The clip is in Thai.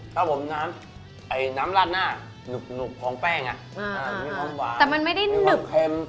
ครับผมน้ำไอ้น้ำราดน่ะหนุบของแป้งอ่ะมีความหวานมีความเค็ม